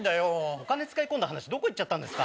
お金使い込んだ話どこ行っちゃったんですか。